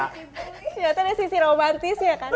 ternyata ada sisi romantisnya kan